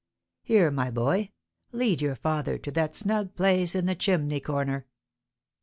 Here, my boy, lead your father to that snug place in the chimney corner."